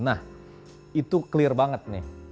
nah itu clear banget nih